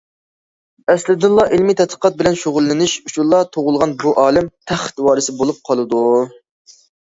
ئەسلىدىنلا ئىلمى تەتقىقات بىلەن شۇغۇللىنىش ئۈچۈنلا تۇغۇلغان بۇ ئالىم، تەخت ۋارىسى بولۇپ قالىدۇ.